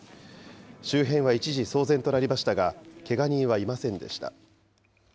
周辺は一時騒然となりましたが、けが人はいませんでした。